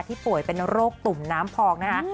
ป่วยเป็นโรคตุ่มน้ำพองนะคะ